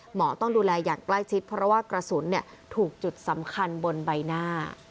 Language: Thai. ต้องดูแลอย่างใกล้ชิดเพราะว่ากระสุนถูกจุดสำคัญบนใบหน้า